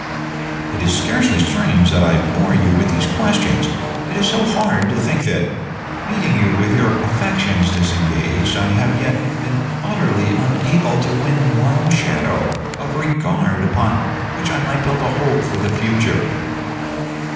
"It is scarcely strange that I bore you with these questions. It is so hard to think that, meeting you with your affections disengaged, I have yet been utterly unable to win one shadow of regard upon which I might build a hope for the future."